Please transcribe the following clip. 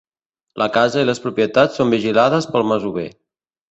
La casa i les propietats són vigilades pel masover.